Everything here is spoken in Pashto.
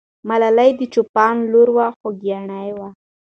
ملالۍ چې د چوپان لور وه، خوګیاڼۍ وه.